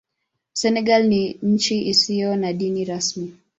Senegal ni nchi isiyo na dini rasmi.